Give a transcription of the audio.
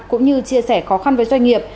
cũng như chia sẻ khó khăn với doanh nghiệp